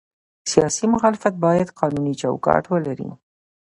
سیاسي مخالفت باید قانوني چوکاټ ولري